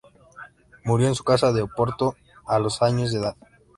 Murió en su casa de Oporto a los años de edad.